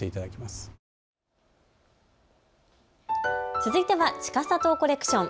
続いてはちかさとコレクション。